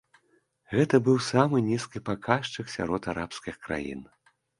Гэта быў самы нізкі паказчык сярод арабскіх краін.